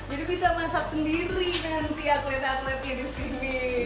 jadi bisa masak sendiri nanti atlet atletnya di sini